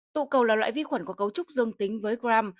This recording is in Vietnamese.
tụ cầu là loại vi khuẩn có cấu trúc dương tính với gram